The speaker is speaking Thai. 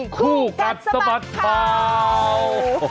คู่กัดสะบัดข่าว